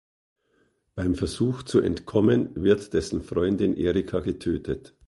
Bei dem Versuch zu entkommen wird dessen Freundin Erica getötet.